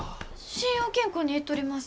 信用金庫に行っとります。